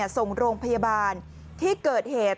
ส่งโรงพยาบาลที่เกิดเหตุ